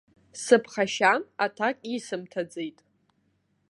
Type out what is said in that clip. Сыԥхашьан, аҭак исымҭаӡеит.